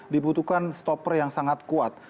dibutuhkan stopper yang sangat kuat